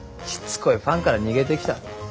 しつこいファンから逃げてきた。